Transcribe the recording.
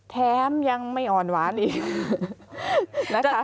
แถมยังไม่อ่อนหวานอีกนะคะ